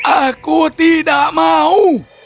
aku tidak mau